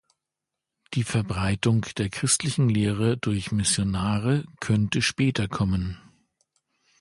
Die Verbreitung der christlichen Lehre durch Missionare könnte später kommen.